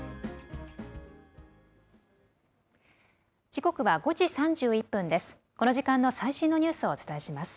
時刻は５時３１分です。